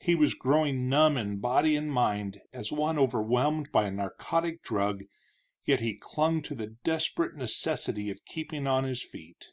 He was growing numb in body and mind, as one overwhelmed by a narcotic drug, yet he clung to the desperate necessity of keeping on his feet.